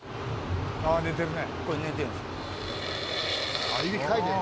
あ寝てるね。